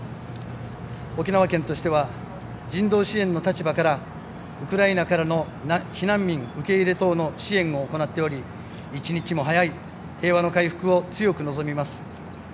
沖縄県としては人道支援の立場からウクライナからの避難民受け入れ等の支援を行っており一日も早い平和の回復を強く望みます。